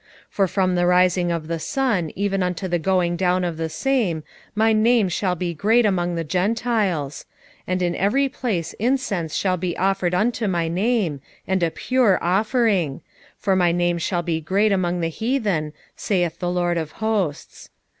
1:11 For from the rising of the sun even unto the going down of the same my name shall be great among the Gentiles; and in every place incense shall be offered unto my name, and a pure offering: for my name shall be great among the heathen, saith the LORD of hosts.